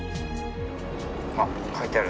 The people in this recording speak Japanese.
あっ書いてある。